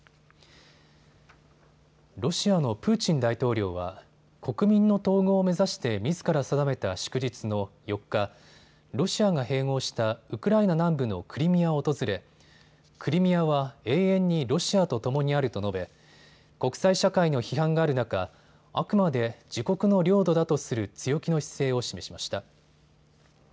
ロシアのプーチン大統領は国民の統合を目指してみずから定めた祝日の４日、ロシアが併合したウクライナ南部のクリミアを訪れクリミアは永遠にロシアとともにあると述べ、国際社会の批判がある中、あくまで自国の領土だとする強気の姿勢を示しました。